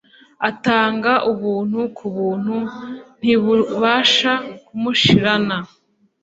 Atanga ubuntu ku buntu. Ntibubasha kumushirana